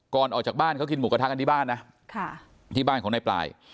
ออกจากบ้านเขากินหมูกระทะกันที่บ้านนะที่บ้านของนายปลาย